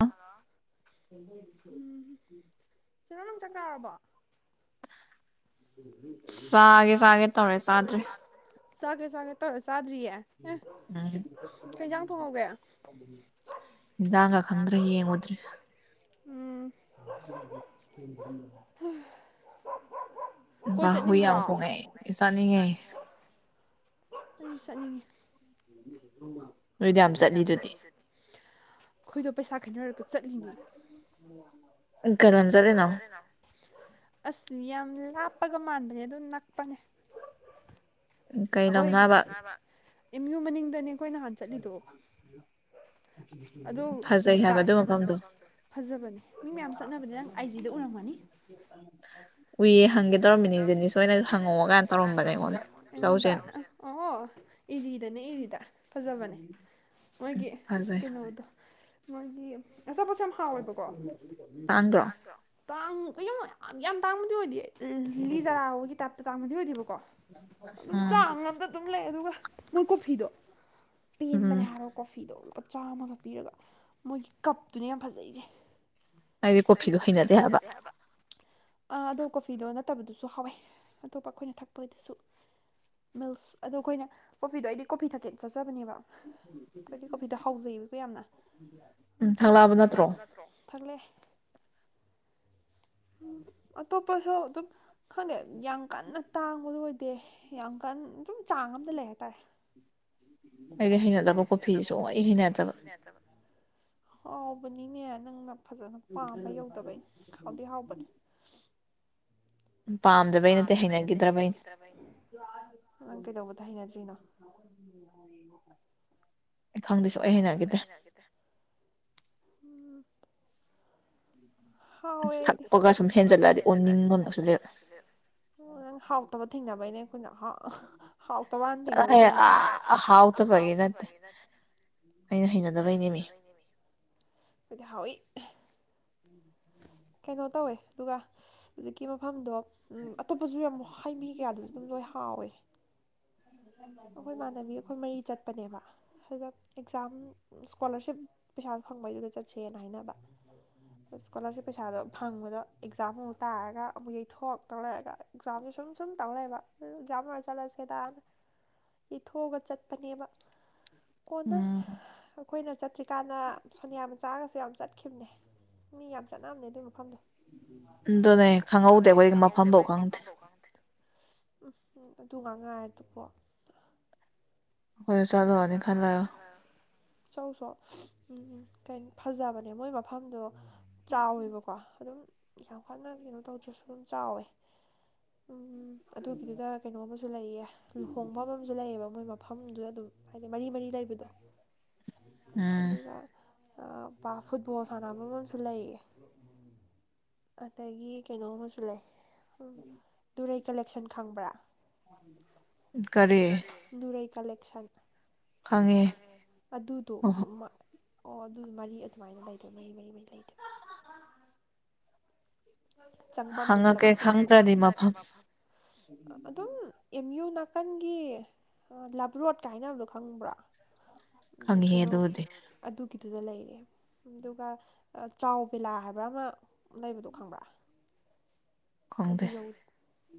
ꯑ [inaudible] ꯆꯥꯒꯦ ꯆꯥꯒꯦ ꯇꯧꯔꯦ ꯆꯗ꯭ꯔꯤ ꯆꯥꯒꯦ ꯆꯥꯒꯦ ꯇꯧꯔ ꯆꯥꯗ꯭ꯔꯤꯌꯦ ꯑꯦ ꯀꯩꯁꯥꯡ ꯊꯣꯡꯍꯧꯒꯦ ꯏꯟꯁꯥꯡꯒ ꯈꯪꯗ꯭ꯔꯦ ꯌꯦꯡꯉꯨꯗ꯭ꯔꯤ ꯑ [unintelligible] ꯕꯥ ꯍꯨꯏ ꯌꯥꯝ ꯈꯣꯉꯦ ꯆꯥꯅꯤꯉꯦ ꯑꯩꯁꯨ ꯆꯠꯅꯤꯡꯉꯤ ꯎ ꯑꯩꯈꯣꯏꯗꯣ ꯄꯩꯁꯥ ꯈꯥꯏꯅꯔꯒ ꯃꯥ [unintelligible] ꯑꯁ ꯌꯥꯝ ꯂꯥꯞꯄꯒ ꯃꯥꯟꯕꯅꯦ ꯑꯗꯣ ꯅꯛ ꯄꯅꯦ ꯑꯩꯈꯣꯏꯒꯤ ꯑꯦꯌꯨ ꯃꯅꯤꯡꯗꯅꯦ ꯑꯩꯈꯣꯏ ꯅꯍꯥꯟ ꯆꯠꯂꯤꯗꯣ [inaudible] ꯑꯗꯣ ꯐꯖꯕꯅꯦ ꯃꯤ ꯃꯌꯥꯝ ꯆꯠꯅꯕꯅꯦ ꯅꯪ ꯑꯥꯏ ꯖꯤꯗ ꯎꯔꯝꯒꯅꯤ ꯎꯏꯌꯦ ꯍꯪꯒꯦ ꯇꯧꯔꯝꯃꯤꯅꯤ ꯑꯗꯨ ꯗꯦꯅꯤꯁ ꯍꯣꯏꯗꯅ ꯍꯪꯉꯧꯀꯥꯅ ꯇꯧꯔꯝꯕꯅꯦ ꯑꯩꯉꯣꯟꯗ ꯑꯩꯉꯣꯟꯗ ꯑꯣ ꯏꯔꯤꯗꯅꯦ ꯏꯔꯤꯗ ꯐꯖꯕꯅꯦ ꯃꯣꯏꯒꯤ ꯀꯩꯅꯣꯗꯣ ꯃꯣꯏꯒꯤ ꯑꯆꯥꯄꯣꯠꯁꯨ ꯌꯥꯝ ꯍꯥꯎꯋꯦꯕꯀꯣꯥ ꯇꯥꯡ ꯌꯥꯝ ꯇꯥꯡꯕꯗꯤ ꯑꯣꯏꯗꯤ ꯌꯦ ꯎꯝ ꯂꯤꯂꯤ ꯖꯔꯥ ꯍꯣꯏꯒꯤ ꯇꯥꯏꯞ ꯇꯥꯡꯕꯗꯤ ꯑꯣꯏꯗꯦꯕꯀꯣ ꯑꯗꯨꯝ ꯆꯥꯡ ꯑꯝꯗ ꯑꯗꯨꯝ ꯂꯩ ꯑꯗꯨꯒ ꯅꯪ ꯀꯣꯐꯤꯗꯣ ꯄꯦꯟꯕꯅꯦ ꯍꯥꯏꯕ ꯀꯣꯐꯤꯗꯣ ꯂꯨꯄꯥ ꯆꯥꯝꯃꯒ ꯄꯤꯔꯕ ꯃꯣꯏꯒꯤ ꯀꯞꯇꯨꯅꯦ ꯌꯥꯝ ꯐꯖꯩꯁꯦ ꯑꯩꯗꯤ ꯀꯣꯐꯤꯗꯣ ꯍꯩꯅꯗꯦ ꯍꯥꯏꯕ ꯑꯥ ꯑꯗꯣ ꯀꯣꯐꯤꯗꯣ ꯅꯠꯇꯕꯗꯨꯁꯨ ꯍꯥꯎꯋꯦ ꯑꯇꯣꯞꯄ ꯑꯩꯈꯣꯏꯅ ꯊꯛꯄꯗꯨꯁꯨ ꯃꯤꯜꯁ ꯑꯗꯣ ꯑꯩꯈꯣꯏꯅ ꯀꯣꯐꯤꯗꯣ ꯑꯩꯗꯤ ꯀꯣꯐꯤ ꯊꯛꯀꯦꯅ ꯆꯠꯆꯕꯅꯦꯕ ꯑꯩꯗꯤ ꯀꯣꯐꯤꯗꯣ ꯍꯥꯎꯖꯩꯌꯦꯕꯀꯣ ꯌꯥꯝꯅ ꯑꯗꯨꯒ ꯊꯛꯂꯛꯑꯕ ꯅꯠꯇ꯭ꯔꯣ ꯊꯛꯂꯛꯑꯦ [inaudible] ꯄꯁꯛꯇꯣ ꯈꯪꯗꯦ ꯌꯥꯝ ꯀꯟꯅ ꯇꯥꯡꯕꯗꯨ ꯑꯣꯏꯗꯦ ꯌꯥꯝ ꯀꯟ ꯑꯗꯨꯝ ꯆꯥꯡ ꯑꯝꯗ ꯂꯩ ꯍꯥꯏꯇꯥꯔꯦ ꯑꯩꯗꯤ ꯍꯩꯅꯗꯕ ꯀꯣꯐꯤꯁꯦ ꯁꯨꯛꯍꯩ ꯍꯩꯅꯗꯕ ꯍꯥꯎꯕꯅꯤꯅꯦ ꯅꯪꯅ ꯐꯖꯅ ꯄꯥꯝꯕ ꯌꯧꯗꯕꯩꯩꯅꯦ ꯍꯥꯎꯗꯤ ꯍꯥꯎꯕꯅꯦ ꯄꯥꯝꯗꯕꯩ ꯅꯠꯇꯦ ꯍꯩꯅꯈꯤꯗꯕꯒꯤꯅꯦ ꯅꯪ ꯀꯩꯗꯧꯕꯗ ꯍꯩꯅꯗ꯭ꯔꯤꯅꯣ ꯈꯪꯗꯦ ꯁꯨꯛꯍꯩ ꯍꯩꯅꯈꯤꯗꯦ ꯑꯝ ꯊꯛꯄꯒ ꯁꯨꯝ ꯍꯦꯟꯖꯜꯂꯛꯑꯗꯤ ꯑꯣꯟꯅꯤꯡꯕ ꯑꯃ ꯍꯥꯎꯁꯤꯜꯂꯛꯑꯦ ꯎ ꯅꯪ ꯍꯥꯎꯇꯕ ꯊꯦꯡꯅꯕꯩꯅꯦ ꯑꯩꯈꯣꯏ ꯑ ꯍꯥꯎ ꯆꯔꯍꯦ ꯑ ꯍꯥꯎꯇꯕꯒꯤ ꯅꯠꯇꯦ ꯩꯑꯩꯅ ꯍꯩꯅꯗꯕꯩꯅꯦꯃꯦ ꯑꯩꯗꯤ ꯍꯥꯎꯋꯤ ꯎꯝ ꯀꯩꯅꯣ ꯇꯧꯋꯦ ꯑꯗꯨꯒ ꯍꯧꯖꯤꯛꯀꯤ ꯃꯐꯝꯗꯣ ꯑꯇꯣꯞꯄꯁꯨ ꯌꯥꯝ ꯍꯩꯃꯍꯤꯒ ꯌꯥꯜꯂꯁꯨ ꯑꯗꯨꯝ ꯂꯣꯏ ꯍꯥꯎꯋꯦ ꯎꯝ ꯑꯩꯈꯣꯏ ꯏꯃꯥꯟꯅꯕꯤ ꯑꯩꯈꯣꯏ ꯃꯔꯤ ꯆꯠꯄꯅꯦꯕ ꯑꯗꯨꯗ ꯑꯦꯛꯖꯥꯝ ꯏꯁꯀꯣꯂꯔꯁꯤꯞ ꯄꯩꯁꯥ ꯐꯪꯕꯩꯗꯨꯗ ꯆꯠꯁꯦꯅ ꯍꯥꯏꯅꯕ ꯏꯁꯀꯣꯂꯥꯔꯁꯤꯞ ꯄꯩꯁꯥꯗꯣ ꯐꯪꯕꯗꯣ ꯑꯦꯛꯖꯥꯝꯃꯨꯛ ꯇꯥꯔꯒ ꯑꯃꯨꯛ ꯌꯩꯊꯣꯛ ꯇꯧ ꯂꯩꯔꯒ ꯑꯦꯛꯖꯥꯝ ꯁꯨꯝ ꯁꯨꯝ ꯇꯧ ꯂꯩꯔꯕ ꯑꯦꯛꯖꯥꯝ ꯂꯣꯢꯔ ꯆꯠꯂꯁꯦꯗ ꯅ ꯏꯊꯣꯛꯑꯒ ꯆꯠꯄꯅꯦꯕ ꯀꯣꯟꯅ ꯑꯩꯈꯣꯏꯅ ꯆꯥꯇ꯭ꯔꯤꯀꯥꯟꯗ ꯁꯣꯅꯤꯌꯥ ꯃꯆꯥꯒꯁꯦ ꯌꯥꯝ ꯆꯠꯈꯤꯕꯅꯦ ꯃꯤ ꯌꯥꯝ ꯆꯠꯅꯕꯅꯦ ꯑꯗꯨ ꯃꯐꯝꯗꯣ ꯑꯗꯨꯅꯦ ꯈꯪꯍꯧꯗꯦ ꯑꯩꯈꯣꯏ ꯃꯐꯝꯐꯧ ꯈꯪꯗꯦ ꯎꯝ ꯑꯗꯨ ꯉꯥꯛ ꯉꯥꯏꯔꯗꯨꯕꯣ ꯑꯩꯁꯨ ꯅꯠꯂꯨꯔꯅꯤ ꯈꯔ ꯂꯩꯔꯒ ꯆꯠꯜꯆꯣ ꯎꯝ ꯀꯩꯅꯣ ꯐꯖꯕꯅꯦ ꯃꯣꯏ ꯃꯐꯝꯗꯣ ꯆꯥꯎꯋꯦꯕꯀꯣ ꯑꯗꯨꯝ ꯌꯥꯝ ꯀꯟꯅ ꯀꯩꯅꯣ ꯇꯧꯗ꯭ꯔꯁꯨ ꯑꯗꯨꯝ ꯆꯥꯎꯋꯦ ꯎꯝ ꯑꯗꯨꯒꯤꯗꯨꯗ ꯀꯩꯅꯣ ꯑꯃꯁꯨ ꯂꯩꯌꯦ ꯂꯨꯍꯣꯡꯕꯝ ꯑꯃꯁꯨ ꯂꯩꯌꯦꯕ ꯃꯣꯏ ꯃꯐꯝꯗꯨꯗ ꯑꯗꯨꯝ ꯍꯥꯏꯗꯤ ꯃꯔꯤ ꯃꯔꯤ ꯂꯩꯕꯗꯣ ꯎꯝ ꯑꯥ ꯕ ꯐꯨꯠꯕꯣꯜ ꯁꯥꯟꯅꯕꯝ ꯑꯃꯁꯨ ꯂꯩꯌꯦ ꯑꯗꯒꯤ ꯀꯩꯅꯣ ꯑꯃꯁꯨ ꯂꯩ ꯇꯨꯔꯩ ꯀꯂꯦꯛꯁꯟ ꯈꯪꯕ꯭ꯔꯥ [unintelligible] ꯀꯔꯤ ꯅꯨꯔꯩ ꯀꯂꯦꯛꯁꯟ ꯈꯪꯉꯦ ꯑꯗꯨꯗꯣ ꯃ ꯑꯣ ꯑꯗꯨ ꯃꯔꯤ ꯑꯗꯨꯃꯥꯏꯅ ꯂꯩꯗꯣꯢꯕ ꯃꯔꯤ ꯃꯔꯤ ꯃꯔꯤ ꯂꯩꯗꯣꯢꯕ ꯆꯪꯕꯝꯗꯣ ꯄꯨꯂꯞ ꯍꯪꯉꯛꯀꯦ ꯈꯪꯗ꯭ꯔꯗꯤ ꯃꯐꯝ ꯑꯗꯨꯝ ꯑꯦꯝ ꯌꯨ ꯅꯥꯀꯟꯒꯤ ꯂꯕ ꯔꯣꯠ ꯀꯥꯏꯅ ꯍꯥꯢꯅꯕꯗꯣ ꯈꯪꯕ꯭ꯔꯣ ꯗꯣ ꯈꯪꯉꯦꯍꯦ ꯑꯗꯨꯕꯨꯗꯤ ꯑꯗꯨ ꯑꯗꯨꯗ ꯂꯩꯔꯦ ꯑꯗꯨꯒ ꯆꯥꯎ ꯕꯤꯂꯥ ꯍꯥꯏꯕ꯭ꯔꯥ ꯑꯃ ꯂꯩꯕꯗꯣ ꯈꯪꯕ꯭ꯔꯥ ꯑꯗꯨ ꯌꯧ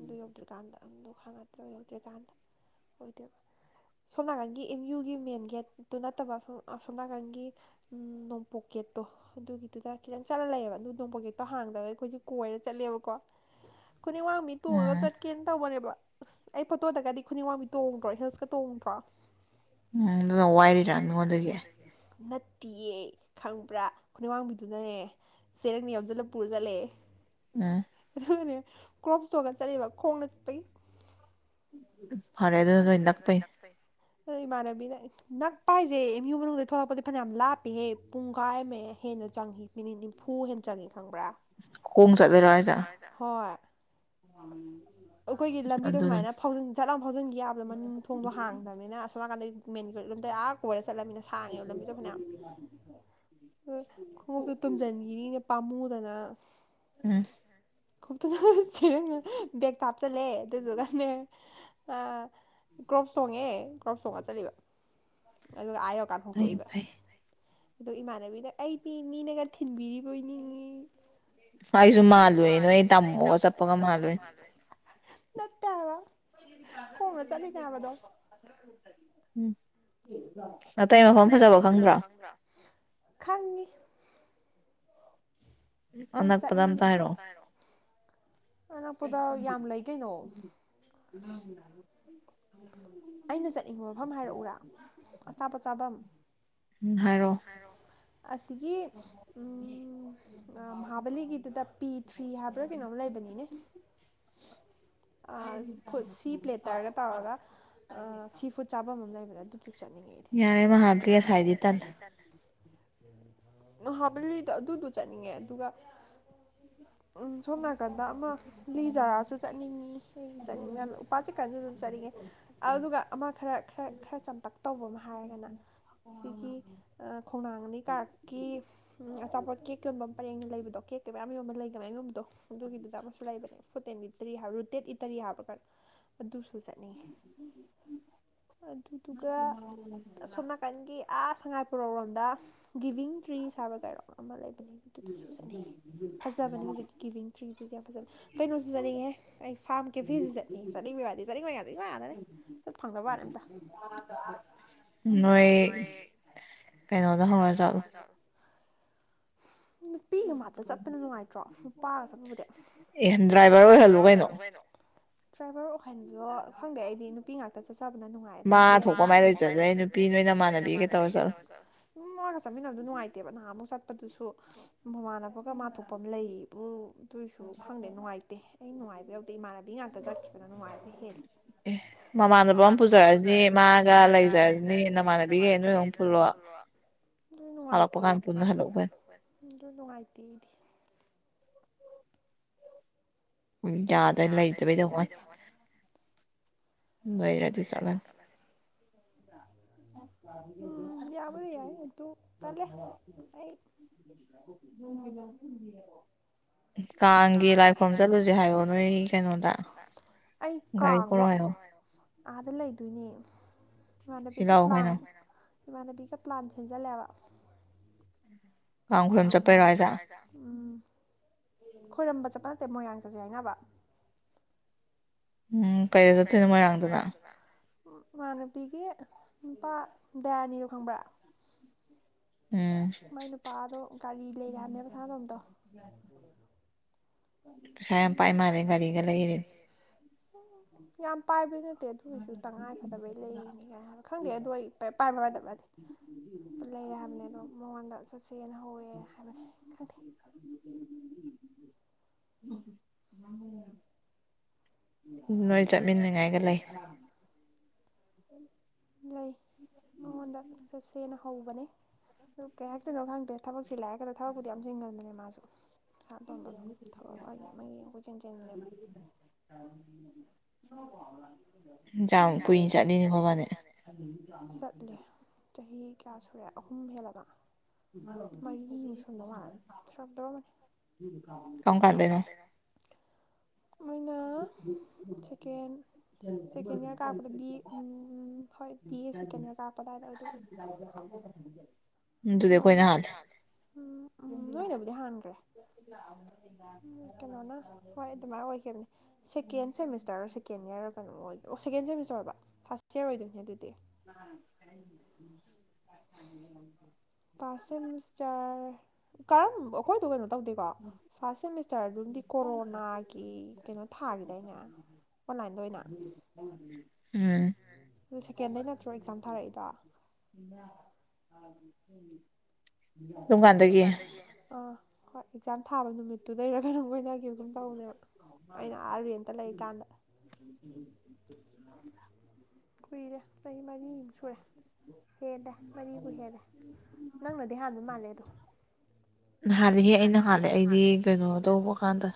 ꯑꯗꯨ ꯌꯧꯗ꯭ꯔꯤꯀꯥꯟꯗ [unintelligible] ꯑꯗꯨ ꯌꯧꯗ꯭ꯔꯤꯀꯥꯟꯗ ꯑꯣꯏꯗꯣꯢꯕ ꯁꯣꯝꯅꯥꯀꯟꯒꯤ ꯑꯦꯝ ꯌꯨꯒꯤ ꯃꯦꯟ ꯒꯦꯠꯇꯨ ꯅꯠꯇꯕ ꯁꯣꯝꯅꯥꯀꯟꯒꯤ ꯎꯝ ꯅꯣꯡꯄꯣꯛ ꯒꯦ ꯒꯦꯠꯇꯣ ꯑꯗꯨꯒꯤꯗꯨꯗ ꯈꯤꯇꯪ ꯆꯠꯂ ꯂꯩꯌꯦꯕ ꯑꯗꯨ ꯅꯣꯡꯄꯣꯛ ꯒꯦꯠꯇꯣ ꯍꯥꯡꯗꯕꯒꯤ ꯑꯩꯈꯣꯏꯁꯦ ꯀꯣꯏꯔ ꯆꯠꯂꯦꯕꯀꯣ ꯈꯨꯅꯤꯡ ꯑꯋꯥꯡꯕꯤ ꯇꯣꯡꯉꯒ ꯆꯠꯀꯦꯅ ꯇꯧꯕꯅꯦꯕ ꯑꯁ ꯑꯩ ꯄꯣꯠꯇꯣꯗꯒꯗꯤ ꯈꯨꯅꯤꯡ ꯋꯥꯡꯕꯤ ꯇꯣꯡꯗ꯭ꯔꯣ ꯍꯤꯜꯁꯀ ꯇꯣꯡꯗ꯭ꯔꯣ ꯎꯝ ꯑꯗꯨꯒ ꯋꯥꯏꯔꯤꯔꯥ ꯃꯤꯉꯣꯟꯗꯒꯤ ꯇꯤꯌꯦ ꯈꯪꯕ꯭ꯔꯥ ꯈꯨꯅꯋꯥꯡꯕꯤꯗꯨꯅꯅꯦ ꯆꯦꯔꯪꯗ ꯌꯣꯝꯖꯜꯂ ꯄꯨꯔ ꯆꯠꯂꯦ ꯎꯝ ꯅꯦ ꯀ꯭ꯔꯣꯞꯁ ꯇꯣꯡꯉꯒ ꯆꯠꯂꯤꯕ ꯈꯣꯡꯅ ꯆꯠꯄꯒꯤ ꯐꯔꯦ ꯑꯗꯨꯅ ꯅꯣꯏ ꯅꯛꯄꯩꯅꯦ ꯑꯗꯣ ꯏꯃꯥꯟꯅꯕꯤꯅ ꯅꯛꯄ ꯍꯥꯏꯁꯦ ꯑꯦꯝ ꯌꯨ ꯃꯅꯨꯡꯗꯩ ꯊꯣꯛꯂꯛꯄꯗꯤ ꯐꯅ ꯌꯥꯝ ꯂꯥꯞꯄꯤꯍꯦ ꯄꯨꯡ ꯈꯥꯢꯃ ꯍꯦꯟ ꯆꯪꯢ ꯃꯤꯅꯤꯠ ꯅꯤꯐꯨ ꯍꯦꯟꯅ ꯆꯪꯏ ꯈꯪꯕ꯭ꯔꯥ ꯈꯣꯡꯅ ꯆꯠꯂꯤꯔ ꯍꯥꯢꯁꯦ ꯍꯣꯏ [unintelligible] ꯑꯩꯈꯣꯏꯒꯤ ꯂꯝꯕꯤꯗꯣ ꯁꯨꯃꯥꯏꯅ ꯐꯥꯎꯖꯤꯟ ꯖꯠꯂꯥꯎ ꯐꯥꯎꯖꯤꯟꯒꯤ ꯌꯥꯕꯗꯣ ꯃꯅꯤꯡ ꯊꯣꯡꯗꯣ ꯍꯥꯡꯗꯕꯅꯤꯅ ꯑꯁꯣꯝ ꯅꯥꯀꯟꯗꯩ ꯃꯦꯟ ꯒꯦꯠ ꯔꯣꯗꯂꯣꯝꯗꯩ ꯑꯥ ꯀꯣꯏꯔ ꯆꯠꯂꯕꯅꯤꯅ ꯁꯥꯡꯉꯦꯕ ꯂꯝꯕꯤꯗꯣ ꯐꯅꯌꯥꯝ ꯍ ꯈꯣꯡꯎꯞꯇꯨ ꯇꯨꯝꯖꯤꯟꯈꯤꯅꯤꯅꯦ ꯄꯥꯝꯃꯨꯗꯅ ꯎꯝ ꯈꯨꯡꯎꯞꯇꯨꯅ ꯆꯦꯟꯒꯔ ꯕꯦꯛꯇ ꯍꯥꯞꯆꯜꯂꯦ ꯑꯗꯨꯗꯨꯒꯅꯦ ꯑ ꯀ꯭ꯔꯣꯞ ꯇꯣꯡꯉꯦ ꯀ꯭ꯔꯣꯞ ꯇꯣꯡꯉꯒ ꯆꯠꯂꯤꯕ [inaudible] ꯑꯗꯨꯒ ꯑꯥ ꯌꯧꯔꯀꯥꯟꯗ ꯍꯣꯡꯇꯣꯛꯏꯕ ꯑꯗꯨ ꯏꯃꯥꯟꯅꯕꯤꯅ ꯑꯩ ꯃꯤꯃꯤꯅꯒ ꯊꯤꯟꯕꯤꯔꯤꯕꯣꯏ ꯅꯤꯡꯉꯦꯌ ꯁ꯭ꯋꯥꯁꯨ ꯃꯥꯜꯂꯨꯏꯅꯦ ꯅꯣꯏ ꯇꯥꯃꯣꯒ ꯆꯠꯄꯒ ꯃꯥꯜꯂꯨꯏꯅꯦ ꯎꯝ ꯑꯇꯩ ꯃꯐꯝ ꯐꯖꯕ ꯈꯪꯗ꯭ꯔꯣ ꯈꯉꯤ ꯑꯅꯛꯄꯗ ꯑꯝꯇ ꯍꯥꯏꯔꯛꯑꯣ ꯑꯅꯛꯄꯗ ꯌꯥꯝ ꯂꯩ ꯀꯩꯅꯣ [inaudible] ꯑꯩꯅ ꯆꯠꯅꯤꯡꯕ ꯃꯐꯝ ꯍꯥꯏꯔꯛꯎꯔꯥ ꯑꯆꯥꯄꯣꯠ ꯆꯥꯕꯝ ꯍꯥꯏꯔꯛꯑꯣ ꯑꯁꯤꯒꯤ ꯎꯝ ꯑ ꯃꯍꯥꯕꯂꯤꯒꯤꯗꯨꯗ ꯄꯤ ꯊ꯭ꯔꯤ ꯍꯥꯏꯕ꯭ꯔꯥ ꯀꯩꯅꯣꯝ ꯂꯩꯕꯅꯤꯅꯦ ꯑ ꯐꯨꯠ ꯁꯤ ꯄ꯭ꯂꯦꯠꯇꯔꯒ ꯇꯧꯔꯒ ꯑ ꯁꯤ ꯐꯨꯠ ꯆꯥꯕꯝ ꯑꯃ ꯂꯩꯕꯅꯦ ꯑꯗꯨꯗꯣ ꯆꯠꯅꯤꯡꯉꯦ ꯑꯩꯗꯤ ꯌꯥꯔꯦ ꯃꯍꯥꯕꯂꯤ ꯑꯁꯥꯏꯗꯤ ꯇꯟꯂꯦ ꯃꯍꯥꯕꯂꯤꯗ ꯑꯗꯨꯗꯣ ꯆꯠꯅꯤꯡꯉꯦ ꯑꯗꯨꯒ ꯎꯝ ꯁꯣꯝ ꯅꯥꯀꯟꯗ ꯑꯃ ꯂꯤ ꯖꯔꯥꯁꯨ ꯆꯠꯅꯤꯡꯉꯤ ꯑꯩ ꯆꯠꯅꯤꯡꯕꯌꯥꯝ ꯎꯄꯥ ꯆꯤꯛꯀꯟꯁꯨ ꯑꯗꯨꯝ ꯆꯠꯅꯤꯡꯉꯦ ꯑꯗꯨꯒ ꯑꯃ ꯈꯔ ꯈꯔ ꯈꯔ ꯆꯝꯇꯛ ꯇꯧꯕ ꯑꯃ ꯍꯥꯏꯔꯒꯅ ꯁꯤꯒꯤ ꯈꯣꯡꯅꯥꯡ ꯑꯅꯤ ꯀꯥꯔꯛꯀꯤ ꯎꯝ ꯑꯆꯥꯄꯣꯠ ꯀꯦꯛ ꯌꯣꯟꯐꯝ ꯄꯔꯦꯡ ꯂꯩꯕꯗꯣ ꯀꯦꯛꯀ ꯃꯌꯥꯝ ꯌꯣꯟꯕ ꯑꯃ ꯂꯩꯒ ꯃꯌꯥꯝ ꯌꯣꯟꯕꯗꯣ ꯑꯗꯨꯒꯤꯗꯨꯗ ꯑꯃꯁꯨ ꯂꯩꯕꯅꯦ ꯐꯨꯠ ꯑꯦꯟ ꯔꯤ ꯍꯥꯏꯕ꯭ꯔꯥ ꯇꯦꯛ ꯏꯇꯔꯤ ꯍꯥꯏꯕ꯭ꯔ ꯀꯩꯅꯣ ꯑꯗꯨꯁꯨ ꯆꯠꯅꯤꯡꯉꯦ ꯑꯗꯨꯗꯨꯒ ꯑꯁꯣꯝ ꯅꯥꯀꯟꯒꯤ ꯑꯥ ꯁꯉꯥꯏ ꯁꯔꯣꯛꯂꯣꯝꯗ ꯒꯤꯕꯤꯡ ꯇ꯭ꯔꯤꯁ ꯍꯥꯏꯕꯔ ꯀꯩꯅꯣ ꯑꯃ ꯂꯩꯕꯅꯦ ꯑꯗꯨꯗꯨꯁꯨ ꯆꯠꯅꯤꯡꯉꯤ ꯐꯖꯕꯅꯦ ꯍꯧꯖꯤꯛꯀꯤ ꯒꯤꯕꯤꯡ ꯇ꯭ꯔꯤꯗꯨꯁꯨ ꯌꯥꯝ ꯐꯖꯕꯅꯦ ꯀꯩꯅꯣꯁꯨ ꯆꯠꯅꯤꯡꯉꯤꯍꯦ ꯑꯩ ꯐꯥꯝ ꯀꯦꯐꯦꯁꯨ ꯆꯠꯅꯤꯡꯉꯦ ꯆꯠꯅꯤꯡꯕꯩ ꯋꯥꯗꯤ ꯆꯠꯅꯤꯡꯕ ꯉꯥꯛꯇ ꯉꯥꯇꯅꯤ ꯅꯣꯏ ꯀꯩꯅꯣꯗ ꯍꯧꯔꯥ ꯆꯠꯂꯣ ꯑꯦꯟ ꯗ꯭ꯔꯥꯏꯚꯔ ꯑꯣꯏꯍꯜꯂꯨ ꯀꯩꯅꯣ ꯗ꯭ꯔꯥꯏꯚꯔ ꯑꯣꯏꯍꯟꯕꯗꯣ ꯈꯪꯗꯦ ꯑꯩꯗꯤ ꯅꯨꯄꯤ ꯉꯥꯛꯇ ꯆꯠꯁꯤ ꯆꯠꯃꯤꯟꯅꯕꯅ ꯅꯨꯡꯉꯥꯏ ꯑꯗꯩ ꯗ꯭ꯔꯦꯁ ꯃꯥ ꯊꯣꯛꯄ ꯃꯥꯏ ꯂꯩꯖꯖꯅꯤ ꯅꯨꯄꯤ ꯅꯣꯏ ꯅꯃꯥꯟꯅꯕꯤꯒ ꯇꯧꯔꯒ ꯆꯠꯂꯣ ꯃꯥꯒ ꯆꯠꯃꯤꯟꯅꯕꯗꯣ ꯅꯨꯡꯉꯥꯏꯇꯦꯕ ꯅꯍꯥꯟꯃꯨꯛ ꯆꯠ ꯑꯗꯨꯁꯨ ꯃꯃꯥꯟꯅꯕꯒ ꯃꯥꯅ ꯊꯣꯛꯄ ꯑꯃ ꯂꯩꯑꯦꯕꯨ ꯑꯗꯨꯑꯣꯏꯁꯨ ꯈꯪꯗꯦ ꯅꯨꯡꯉꯥꯏꯇꯦ ꯑꯩ ꯅꯨꯡꯉꯥꯏꯕ ꯌꯧꯗꯦ ꯏꯃꯥꯟꯅꯕꯤ ꯉꯥꯛꯇ ꯆꯠꯈꯤꯕꯅ ꯅꯨꯡꯉꯥꯏꯕ ꯍꯦꯜꯂꯤ ꯑꯦ ꯃꯃꯥꯟꯅꯕ ꯑꯃ ꯄꯨꯖꯔꯛꯑꯗꯤ ꯃꯥꯒ ꯂꯩꯖꯔꯁꯤꯅꯤ ꯅꯃꯥꯟꯅꯕꯤꯒꯩ ꯅꯣꯏꯒ ꯑꯃ ꯄꯨꯜꯂꯣ [inaudible] ꯑꯗꯨ ꯅꯨꯡꯉꯥꯏꯇꯦ ꯑꯗꯨ ꯅꯨꯡꯉꯥꯏꯇꯦ ꯑꯩꯗꯤ ꯑꯩꯈꯣꯏ ꯌꯥꯗ꯭ꯔꯦ ꯂꯩꯇꯕꯩ ꯇꯧꯕꯩ ꯃꯣꯢ ꯂꯩꯔꯗꯤ ꯆꯠꯂꯅꯤ ꯎꯝ ꯌꯥꯕꯨꯗꯤ ꯌꯥꯢ ꯑꯗꯣ ꯇꯜꯂꯦ ꯑꯩ [unintelligible] ꯀꯥꯡꯒꯤ ꯂꯥꯏ ꯈꯣꯏꯔꯝꯕ ꯆꯠꯂꯨꯖꯦ ꯍꯥꯏꯑꯣ ꯅꯣꯏ ꯀꯩꯅꯣꯗ ꯑꯩ ꯀꯥꯡꯗꯣ [inaudible] ꯑꯥꯗ ꯂꯩꯗꯣꯏꯅꯦ ꯏꯃꯥꯟꯅꯕꯤꯒ ꯄ꯭ꯥ꯭ꯂꯟ ꯏꯃꯥꯟꯅꯕꯤꯒ ꯄ꯭ꯂꯥꯟ ꯁꯤꯟꯖꯜꯂꯦꯕ ꯔꯥꯝ ꯈꯣꯏꯔꯝ ꯆꯄꯩꯔꯣ ꯍꯥꯏꯖꯦ ꯎꯝ ꯈꯣꯏꯔꯝꯕ ꯆꯠꯄ ꯅꯠꯇꯦ ꯃꯣꯏꯔꯥꯡ ꯆꯠꯁꯦ ꯍꯥꯏꯅꯕ ꯎꯝ ꯀꯩꯗ ꯆꯠꯇꯣꯏꯅꯣ ꯃꯣꯏꯔꯥꯡꯗꯨꯅ ꯏꯃꯥꯅꯕꯤꯒꯤ ꯅꯨꯄꯥ ꯗꯌꯥꯅꯤꯗꯣ ꯈꯪꯕ꯭ꯔꯥ ꯎꯝ ꯄꯩꯁꯥ ꯌꯥꯝ ꯄꯥꯏꯃꯥꯂꯦ ꯒꯥꯔꯤꯒ ꯂꯩꯔꯦ ꯌꯥꯝ ꯄꯥꯏꯕ ꯅꯦ ꯇꯦ ꯑꯗꯨꯒꯤꯁꯨ ꯇꯉꯥꯏꯐꯗꯕꯩ ꯂꯩꯅꯤ ꯀꯥꯏ ꯍꯥꯏꯕ ꯈꯪꯗꯦ ꯑꯗꯨ ꯑꯩ ꯄꯥꯏꯕ ꯄꯥꯢꯗꯕ ꯂꯩꯔꯦ ꯍꯥꯏꯕꯅꯤ ꯑꯗꯣ ꯃꯉꯣꯟꯗ ꯆꯠꯁꯦꯅ ꯍꯧꯋꯦ ꯍꯥꯏꯕꯅꯦ ꯈꯪꯗꯦ ꯅꯣꯏ ꯆꯠꯃꯤꯟꯅꯤꯉꯥꯏꯒ ꯂꯩ ꯂꯩ ꯃꯉꯣꯟꯗ ꯆꯠꯁꯦꯅ ꯍꯧꯕꯅꯦ ꯑꯗꯨ ꯀꯩ ꯍꯥꯏꯛꯇꯣꯏꯅꯣ ꯈꯪꯗꯦ ꯊꯕꯛꯁꯤ ꯆꯤꯜꯂꯦ ꯍꯥꯏꯀꯗ ꯊꯕꯛꯄꯨꯗꯤ ꯌꯥꯝ ꯆꯤꯡꯒꯟꯕꯅꯦ ꯃꯥꯁꯨ ꯁꯥꯟꯇꯣꯝꯕꯗꯣ ꯊꯕꯛ ꯑꯃꯒꯤ ꯑꯃꯒꯤ ꯌꯦ ꯀꯣꯢꯆꯦꯟ ꯆꯦꯟꯅꯦꯕ [unintelligible] ꯌꯥꯝ ꯀꯨꯏ ꯆꯠꯂꯤꯅꯦ ꯃꯕꯥꯟꯅꯤ ꯆꯠꯂꯦ ꯆꯍꯤ ꯀ꯭ꯌꯥ ꯁꯨꯔꯦ ꯑꯍꯨꯝ ꯍꯦꯜꯂꯕ [unintelligible] ꯀꯝ ꯀꯥꯟꯗꯩꯅꯣ [unintelligible] ꯁꯦꯀꯦꯟ ꯁꯦꯀꯦꯟ ꯌꯔ ꯀꯥꯔꯛꯄꯗ ꯕꯤ ꯎꯝ ꯍꯣꯏ ꯕꯤ ꯑꯦ ꯁꯦꯀꯦꯟ ꯌꯔ ꯀꯥꯔꯛꯄ ꯑꯗꯥꯏꯗ ꯑꯣꯏꯗꯣꯏꯕ [unintelligible] ꯎꯝ ꯗꯨꯗꯤ ꯈꯣꯏꯅ ꯍꯥꯜꯂꯦ ꯅꯣꯏꯅꯕꯨꯗꯤ ꯍꯥꯟꯒ꯭ꯔꯦ [unintelligible] ꯁꯦꯀꯦꯟ ꯁꯦꯃꯤꯁꯇꯔ ꯔꯣ ꯁꯦꯀꯦꯟ ꯌꯔ ꯔꯣ ꯀꯩꯅꯣꯝ ꯑꯣꯏ ꯑꯣ ꯁꯦꯀꯦꯟ ꯁꯦꯃꯤꯁꯇꯔ ꯑꯣꯏꯕ ꯐꯥꯔꯁ ꯌꯔ ꯑꯣꯏꯗꯣꯏꯅꯦ ꯑꯗꯨꯗꯤ [unintelligible] ꯄꯥꯁ ꯁꯦꯃꯤꯁ ꯇꯔ ꯀꯔꯝ ꯑꯩꯈꯣꯏꯗꯣ ꯀꯩꯅꯣ ꯇꯧꯗꯦꯀꯣ ꯐꯥꯁ ꯁꯦꯃꯤꯁꯇꯔ ꯑꯗꯨꯝꯗꯤ ꯀꯣꯔꯣꯅꯥꯒꯤ ꯀꯩꯅꯣ ꯊꯥꯈꯤꯗꯥꯏꯅꯦ ꯎꯝ [unintelligible] ꯀꯝꯀꯥꯟꯗꯒꯤ ꯑ ꯍꯣꯏ ꯑꯦꯛꯖꯥꯝ ꯊꯥꯕ ꯅꯨꯃꯤꯠꯇꯨꯗꯩꯔ ꯀꯩꯅꯣꯝ ꯑꯣꯏꯗꯥꯏ [unintelligible] ꯀꯨꯏꯔꯦ ꯆꯍꯤ ꯃꯔꯤꯃꯨꯛ ꯁꯨꯔꯦ ꯍꯦꯜꯂꯦ ꯃꯔꯤꯕꯨ ꯍꯦꯜꯂꯦ ꯅꯪꯅꯗꯤ ꯍꯥꯟꯕ ꯃꯥꯜꯂꯦ ꯑꯗꯣ ꯅꯍꯥꯟꯗꯒꯤ ꯑꯩꯅ ꯍꯥꯜꯂꯦ ꯑꯩꯗꯤ ꯀꯩꯅꯣ ꯇꯧꯕ ꯀꯥꯟꯗ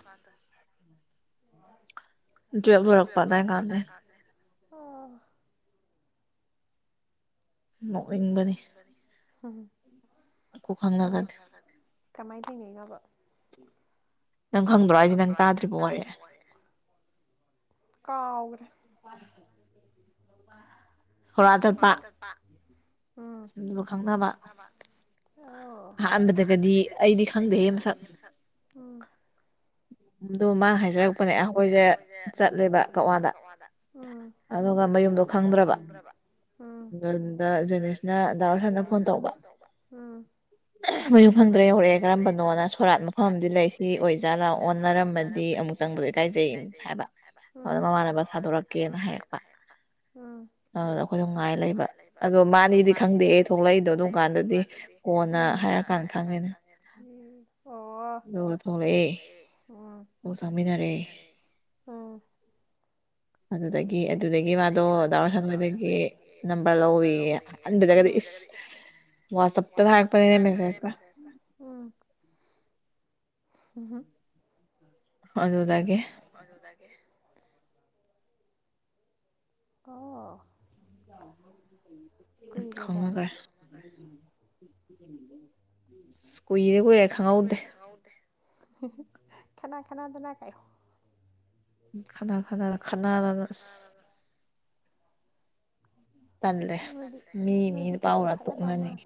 ꯗꯨꯋꯦꯞ ꯂꯣꯏꯔꯛꯄ ꯑꯗꯥꯏ ꯀꯥꯟꯗꯒꯤ ꯑꯣ ꯅꯣꯛꯅꯤꯡꯕꯅꯤ ꯀꯃꯩ ꯀꯃꯥꯏ ꯊꯦꯡꯅꯩꯅꯣꯕ ꯅꯪ ꯈꯪꯗ꯭ꯔꯣ ꯍꯥꯢꯖꯦ ꯅꯪ ꯇꯥꯗ꯭ꯔꯤꯕꯣ ꯋꯥꯔꯤ ꯀꯥꯎꯒ꯭ꯔꯦ [unintelligible] ꯄꯨꯔꯥ ꯇꯠꯄ [unintelligible] ꯈꯪꯅꯕ ꯑꯍꯥꯟꯕꯗꯒꯗꯤ ꯑꯩꯗꯤ ꯈꯪꯗꯦ ꯍꯦ ꯃꯁꯛ ꯑꯣ ꯑꯗꯨ ꯃꯥꯅ ꯍꯥꯏꯖꯔꯛꯄꯅꯦ ꯑꯩꯈꯣꯏꯁꯦ ꯆꯠꯂꯦꯕ ꯀꯛꯋꯥꯗ ꯑꯗꯨꯒ ꯃꯌꯨꯝꯗꯣ ꯈꯪꯗ꯭ꯔꯕ ꯑꯗꯨꯗ ꯖꯦꯅꯤꯁꯅ ꯗꯥ ꯔꯣꯁꯗ ꯐꯣꯟ ꯇꯧꯕ ꯇꯧꯕꯩ ꯑ ꯃꯌꯨꯝ ꯈꯪꯗ꯭ꯔꯦ ꯌꯧꯔꯛꯑꯦ ꯀꯔꯝꯕꯅꯣꯅ ꯁꯣꯔꯥꯠ ꯃꯐꯝ ꯑꯝꯗꯤ ꯂꯩ ꯁꯤ ꯑꯣꯖꯥꯠꯂ ꯑꯣꯟꯅꯔꯝꯃꯗꯤ ꯗꯤ ꯑꯃꯨꯛ ꯆꯪꯕꯗꯣ ꯏꯀꯥꯏꯖꯩꯅ ꯍꯥꯏꯕ ꯑꯗꯨꯗ ꯃꯃꯥꯟꯅꯕ ꯊꯥꯗꯣꯔꯛꯀꯦꯅ ꯍꯥꯏꯔꯛꯄ ꯑ ꯑ ꯑꯩꯈꯣꯏꯗꯣ ꯉꯥꯏ ꯂꯩꯕ ꯑꯗꯣ ꯃꯥꯅꯦꯗꯤ ꯈꯪꯗꯦꯍꯦ ꯊꯣꯛꯂꯛꯏꯗꯣ ꯑꯗꯨꯝ ꯀꯥꯟꯗꯗꯤ ꯀꯣꯟꯅ ꯅ ꯍꯥꯏꯔꯛꯑꯀꯥꯟ ꯈꯪꯉꯤꯅꯦ ꯎꯝ ꯑꯣ ꯑꯗꯨꯒ ꯊꯣꯛꯂꯛꯑꯦ ꯑꯣ ꯄꯣ ꯆꯃꯤꯟꯅꯔꯛꯑꯦ ꯑ ꯑꯗꯨꯗꯒꯤ ꯑꯗꯨꯗꯒꯤ ꯃꯥꯗꯣ ꯗꯥ ꯔꯣꯁꯟ ꯍꯣꯏꯗꯒꯤ ꯅꯝꯕꯔ ꯂꯧꯋꯦꯌꯦ ꯑꯍꯥꯟꯕꯗꯒꯗꯤ ꯏꯁ ꯗꯒꯗꯤ ꯏꯁ ꯋꯥꯁꯦ ꯑꯝꯇ ꯍꯥꯏꯔꯛꯄꯗꯅꯦ ꯃꯦꯁꯦꯁ ꯅ ꯎꯝ [inaudible] [inaudible] ꯑꯗꯨ ꯗꯒꯤ ꯑꯗꯨꯗꯒꯤ ꯑꯣ ꯈꯪꯅꯒ꯭ꯔꯦ [inaudible] ꯀꯨꯏꯔꯦ ꯀꯨꯏꯔꯦ ꯈꯪꯉꯧꯗꯦ ꯈꯅꯥ ꯈꯅꯥꯗꯅꯥ ꯀꯥꯏꯌꯣ ꯎ ꯈꯅꯥ ꯈꯅꯥꯗ ꯈꯅꯥꯗꯅ ꯑꯁ ꯇꯜꯂꯦ ꯃꯤ ꯃꯤ ꯅꯨꯄꯥꯎꯔꯥ ꯇꯣꯛꯅꯅꯤꯡꯉꯤ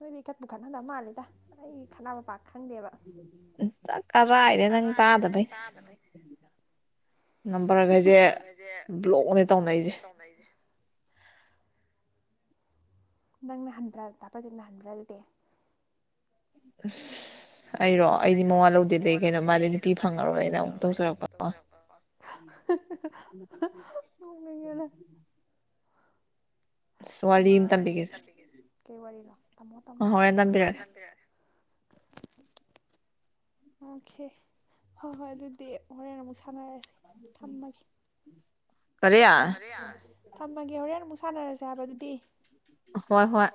ꯅꯣꯏꯗꯤ ꯏꯈꯠꯄꯨ ꯈꯠꯅꯗꯕ ꯃꯥꯜꯂꯤꯗ ꯑꯩ ꯈꯅꯕ ꯄꯥꯛ ꯀꯔꯥꯏꯗꯦ ꯅꯪ ꯇꯥꯗꯕꯩꯅꯦ ꯅꯝꯕꯔꯒꯖ ꯕ꯭ꯂꯣꯛꯅꯦ ꯇꯧꯅꯩꯁꯦ ꯅꯪꯅ ꯍꯟꯕ꯭ꯔ ꯗꯥꯄ꯭ꯔꯗꯤꯞꯅ ꯍꯟꯕ꯭ꯔꯥ ꯑꯗꯨꯗꯤ ꯑꯁ ꯑꯩꯔꯣ ꯑꯩꯗꯤ ꯃꯋꯥ ꯂꯧꯗꯦꯗ ꯀꯩꯅꯣ ꯃꯥꯗꯤ ꯅꯨꯄꯤ ꯐꯪꯉꯔꯣꯏꯅ ꯑꯃꯨꯛ ꯇꯧꯖꯔꯛꯄꯩꯋꯥꯅꯤ [unintelligible] ꯑꯁ ꯋꯥꯔꯤ ꯑꯃ ꯇꯝꯕꯤꯒꯦꯁꯦ ꯀꯩ ꯋꯥꯔꯤꯅꯣ ꯇꯝꯃꯣ ꯇꯝꯃꯣ ꯍꯣꯔꯦꯟ ꯇꯝꯕꯤꯔꯒꯦ ꯑꯣꯈꯦ ꯍꯣꯏ ꯍꯣꯏ ꯑꯗꯨꯗꯤ ꯍꯣꯔꯦꯟꯃꯨꯛ ꯁꯥꯟꯅꯔꯁꯦ [inaudible] ꯀꯔꯤ ꯊꯝꯃꯒꯦ ꯍꯣꯔꯦꯟ ꯑꯃꯨꯛ ꯁꯥꯟꯅꯔꯁꯦ ꯍꯥꯏꯕ ꯑꯗꯨꯗꯤ ꯍꯣꯏ ꯍꯣꯏ